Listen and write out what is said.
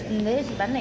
ừ đấy chị bán này